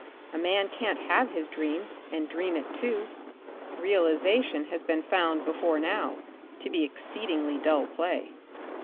A man can't have his dream and dream it too. Realization has been found before now, to be exceedingly dull play.